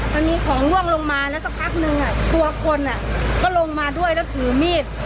มันมีของล่วงลงมาแล้วสักพักนึงตัวคนก็ลงมาด้วยแล้วถือมีด